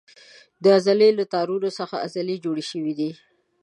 د عضلې له تارونو څخه عضلې جوړې شوې دي.